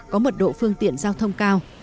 có mật độ phương tiện giao thông cao